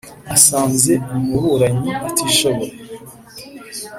asanze umuburanyi atishoboye